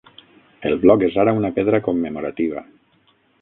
El bloc és ara una pedra commemorativa.